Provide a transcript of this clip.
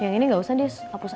yang ini gak usah des hapus aja